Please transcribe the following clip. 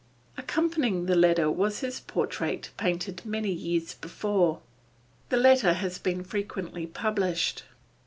Accompanying the letter was his portrait painted many years before. The letter has been frequently published.